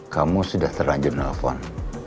kamu sudah terlanjur nelfon